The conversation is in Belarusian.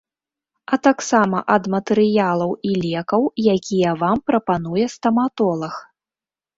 А таксама ад матэрыялаў і лекаў, якія вам прапануе стаматолаг.